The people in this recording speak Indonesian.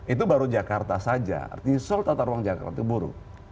itu baru jakarta saja artinya seolah olah tata ruang jakarta buruk